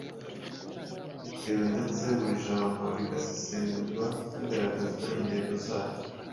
bitewe ndetse buri jambo rigasesengurwa hagaragazwa intego zaryo.